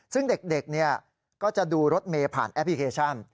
ซึ่งเด็กก็จะดูรถเมย์ผ่านแอปพลิเคชัน